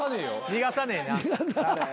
逃がさねえな。